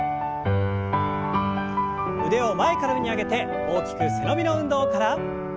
腕を前から上に上げて大きく背伸びの運動から。